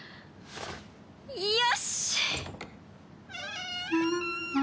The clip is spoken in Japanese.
よし！